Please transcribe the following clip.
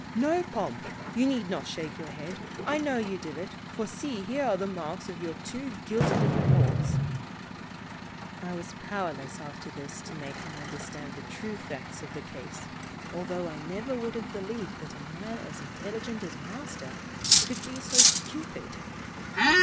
No, Pomp, you need not shake your head. I know you did it, for see, here are the marks of your two guilty little paws !" I was powerless, after this, to make him under stand the true facts of the case, although I never would have believed that a man as intelligent as 200 Pomposity. Master, could be so stupid.